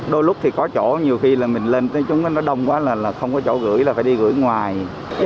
đôi lúc thì có chỗ nhiều khi là mình lên tới chúng nó đông quá là không có chỗ gửi là phải đi gửi ngoài